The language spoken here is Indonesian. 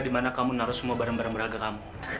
dimana kamu naro semua barang barang berharga kamu